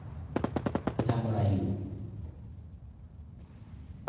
เธอทำอะไรอยู่